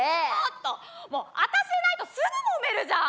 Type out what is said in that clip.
私いないとすぐもめるじゃん！